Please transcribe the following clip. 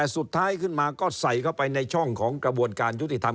สุดท้ายขึ้นมาก็ใส่เข้าไปในช่องของกระบวนการยุติธรรม